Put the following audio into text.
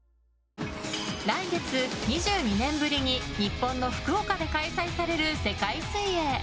来月２２年ぶりに日本の福岡で開催される世界水泳。